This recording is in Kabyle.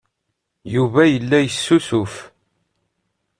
Yuba yella yessusuf.